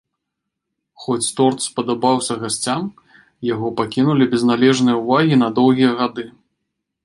Хоць торт спадабаўся гасцям, яго пакінулі без належнай увагі на доўгія гады.